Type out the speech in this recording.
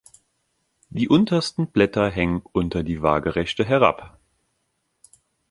Die untersten Blätter hängen unter die Waagrechte herab.